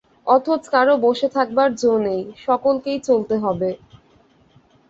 অথচ কারো বসে থাকবার জো নেই, সকলকেই চলতে হবে।